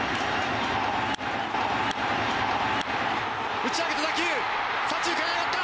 打ち上げた打球は左中間へ行った。